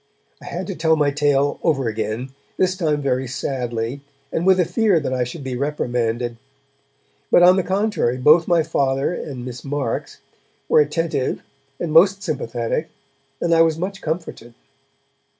I had to tell my tale over again, this time very sadly, and with a fear that I should be reprimanded. But on the contrary, both my Father and Miss Marks were attentive and most sympathetic, and I was much comforted.